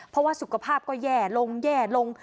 เพราะว่าสุขภาพก็แย่ลงแย่ลง